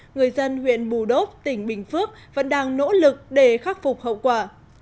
người dân huyện bù đốc tỉnh bình phước vẫn đang nỗ lực để khắc phục hậu quả